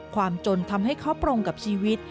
ความจนทำให้เขาตรงกับชีวิต